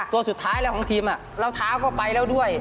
ตัวสุดท้ายของทีมเราท้าก็ไปแล้วด้วย